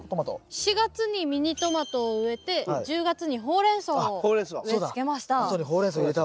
４月にミニトマトを植えて１０月にホウレンソウを植えつけました。